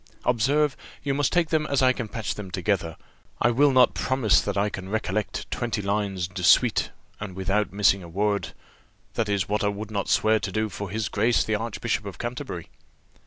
Observe, you must take them as I can patch them together; I will not promise that I can recollect twenty lines de suite, and without missing a word; that is what I would not swear to do for His Grace the Archbishop of Canterbury."